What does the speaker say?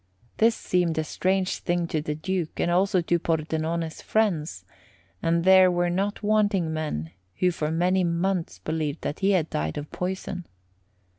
This seemed a strange thing to the Duke, and also to Pordenone's friends; and there were not wanting men who for many months believed that he had died of poison.